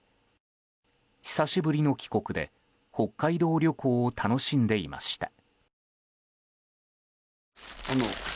久しぶりの帰国で北海道旅行を楽しんでいました。